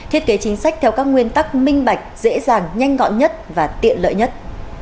thiết kế chính sách theo các nguyên tắc minh bạch dễ dàng nhanh gọn nhất và tiện lợi nhất